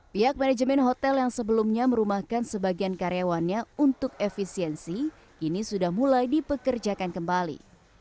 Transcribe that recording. pihak manajemen hotel yang sebelumnya merumahkan sebagian karyawannya untuk efisiensi kini sudah mulai dipekerjakan kembali